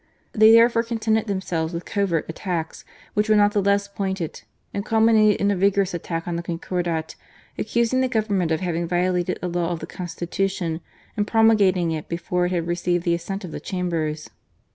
They therefore contented themselves with covert attacks which were not the less pointed, and culminated in a vigorous attack on the Concordat, accusing the Government of having violated a law of the Constitution in promulgating it before it had received the assent of the Chambers.